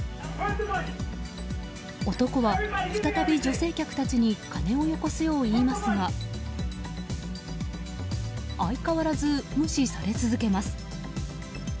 男は再び女性客たちに金をよこすよう言いますが相変わらず無視され続けます。